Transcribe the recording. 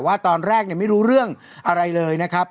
ว่าตอนแรกไม่รู้เรื่องอะไรเลยนะครับ